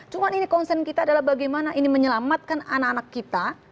cuma ini concern kita adalah bagaimana ini menyelamatkan anak anak kita